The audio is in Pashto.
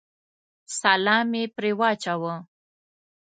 سلام مې پرې واچاوه.